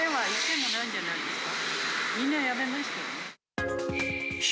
みんなやめましたよ。